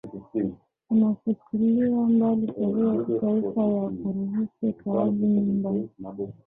unafutilia mbali sheria ya kitaifa ya kuruhusu utoaji mimba